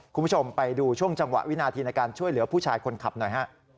คุณผู้ชมไปดูช่วงจังหวะวินาทีในการช่วยเหลือผู้ชายคนขับหน่อยฮะ